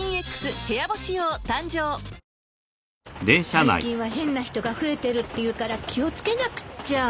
最近は変な人が増えてるっていうから気を付けなくちゃ。